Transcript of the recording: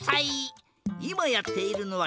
いまやっているのはしゅわ。